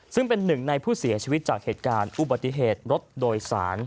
ซึ่งเป็นหนึ่งในผู้เสียชีวิตจากเหตุการณ์อุบัติเหตุรถโดยสาร